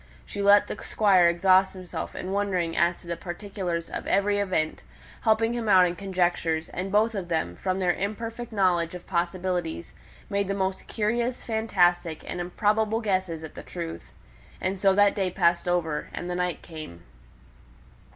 She let the Squire exhaust himself in wondering as to the particulars of every event, helping him out in conjectures; and both of them, from their imperfect knowledge of possibilities, made the most curious, fantastic, and improbable guesses at the truth. And so that day passed over, and the night came.